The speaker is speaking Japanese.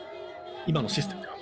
今のシステムでは。